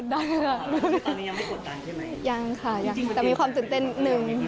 ตอนนี้ยังไม่กดดังใช่ไหมจริงค่ะเป็นจริงค่ะเป็นจริงค่ะมีความตื่นเต้นหนึ่ง